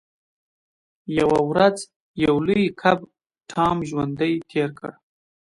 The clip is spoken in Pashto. یوه ورځ یو لوی کب ټام ژوندی تیر کړ.